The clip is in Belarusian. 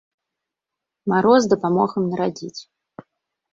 Мароз дапамог ім нарадзіць.